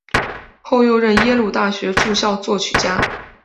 后又任耶鲁大学驻校作曲家。